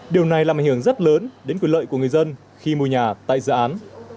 điều này làm ảnh hưởng rất lớn đến quyền lợi của người dân khi mua nhà tại dự án